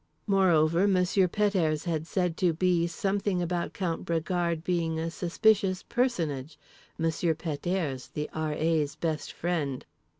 Moreover, Monsieur Pet airs had said to B. something about Count Bragard being a suspicious personage—Monsieur Pet airs, the R.A.'s best friend.